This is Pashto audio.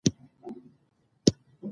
ډيپلوماسي د جګړو د پای ته رسولو وسیله ده.